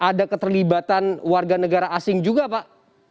ada keterlibatan warga negara asing juga pak